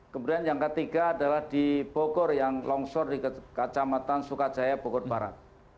kemudian yang ketiga adalah di bogor yang longsor di kecamatan sukajaya bogor barat